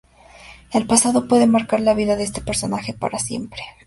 El pasado puede marcar la vida de este personaje para siempre.